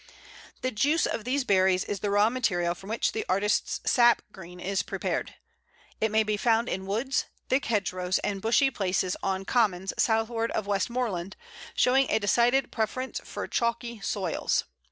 The juice of these berries is the raw material from which the artist's sap green is prepared. It may be found in woods, thick hedgerows, and bushy places on commons southward of Westmoreland, showing a decided preference for chalky soils.